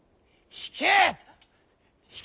引け！